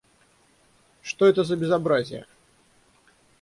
Что это за безобразие?